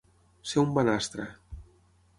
Ser un banastra.